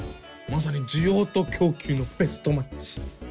正に需要と供給のベストマッチ！